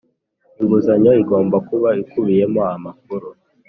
inguzanyo igomba kuba ikubiyemo amakuru.